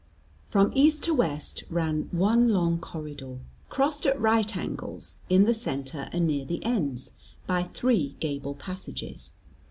From east to west ran one long corridor, crossed at right angles, in the centre and near the ends, by three gable passages.